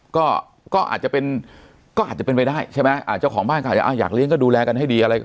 ยังก็อาจจะเป็นจะไปได้เจ้าของบ้านก็อยากเลี้ยงก็เลยดูแลกันให้ดี